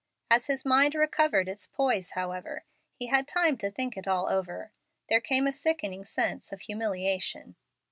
As his mind recovered its poise, however, and he had time to think it all over, there came a sickening sense of humiliation.